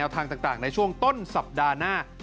ทางต่างในช่วงต้นสัปดาห์หน้า